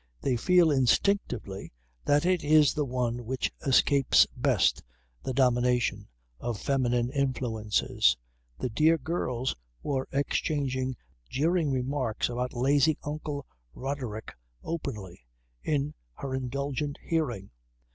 They feel instinctively that it is the one which escapes best the domination of feminine influences. The dear girls were exchanging jeering remarks about "lazy uncle Roderick" openly, in her indulgent hearing.